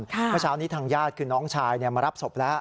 เมื่อเช้านี้ทางญาติคือน้องชายมารับศพแล้ว